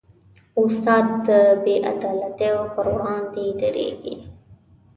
استاد د بېعدالتیو پر وړاندې دریږي.